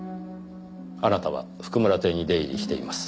あなたは譜久村邸に出入りしています。